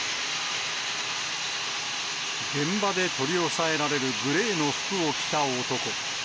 現場で取り押さえられるグレーの服を着た男。